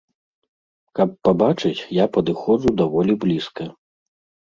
Каб пабачыць, я падыходжу даволі блізка.